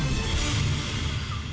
terima kasih banyak